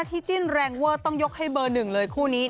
และคู่นี้ที่จิ้นแรงเวิร์ดต้องยกให้เบอร์หนึ่งเลยคู่นี้